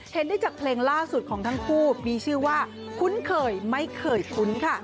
เห็นได้จากเพลงล่าสุดของทั้งคู่มีชื่อว่าคุ้นเคยไม่เคยคุ้นค่ะ